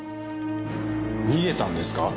逃げたんですか？